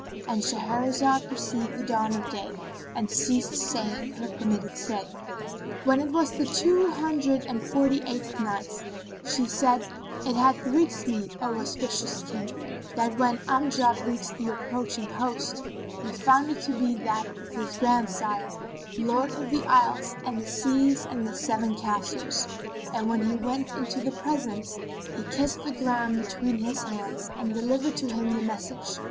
—And Shahrazad perceived the dawn of day and ceased saying her permitted say. When it was the Two Hundred and Forty eighth Night, She said, It hath reached me, O auspicious King, that when Amjad reached the approaching host, he found it to be that of his grandsire, Lord of the Isles and the Seas and the Seven Castles; and when he went into the presence, he kissed the ground between his hands and delivered to him the message.